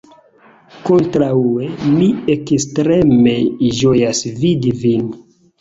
Kontraŭe, mi ekstreme ĝojas vidi vin.